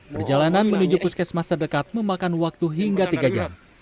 perjalanan menuju puskesmas terdekat memakan waktu hingga tiga jam